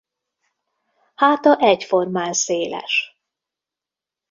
Háta egyformán széles.